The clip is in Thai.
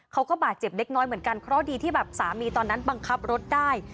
เขาก็บาดเจ็บเล็กน้อยเหมือนกันเพราะดีที่แบบสามีตอนนั้นบังคับรถได้